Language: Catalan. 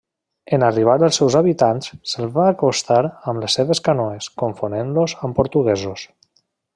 En arribar els seus habitants se'ls van acostar amb les seves canoes, confonent-los amb portuguesos.